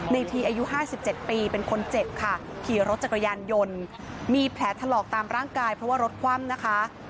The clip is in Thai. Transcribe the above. ทีอายุ๕๗ปีเป็นคนเจ็บค่ะขี่รถจักรยานยนต์มีแผลถลอกตามร่างกายเพราะว่ารถคว่ำนะคะ